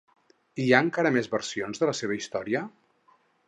Hi ha encara més versions de la seva història?